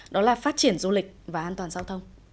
đó là phát triển du lịch và an toàn giao thông